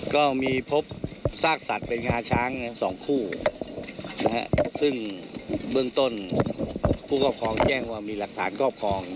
ก็มีพบซากสัตว์เป็นงาช้างสองคู่ซึ่งเบื้องต้นผู้ครอบครองแจ้งว่ามีหลักฐานครอบครอง